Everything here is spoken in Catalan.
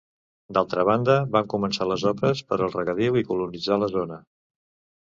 D'altra banda, van començar les obres per al regadiu i colonitzar la zona.